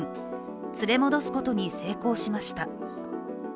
連れ戻すことに成功しました。